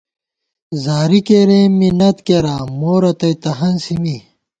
زاری کېرېم مِنت کېرام، مو رتئ تہ ہنسی می